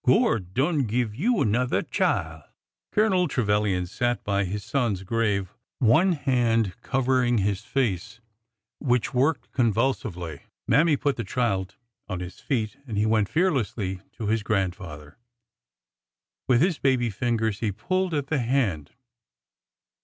Gord done give you another chile !" Colonel Trevilian sat by his son's grave, one hand cov ering his face, which worked convulsively. Mammy put the child on his feet, and he went fearlessly to his grand father. With his baby fingers he pulled at the hand.